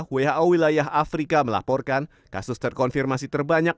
who wilayah afrika melaporkan kasus terkonfirmasi terbanyak